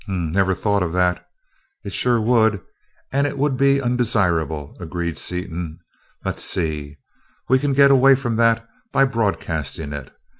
"H m m. Never thought of that ... it sure would, and it would be undesirable," agreed Seaton. "Let's see ... we can get away from that by broadcasting it.